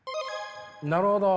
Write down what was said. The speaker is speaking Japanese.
なるほど。